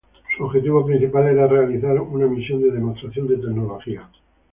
Su objetivo principal era realizar una misión de demostración de tecnología.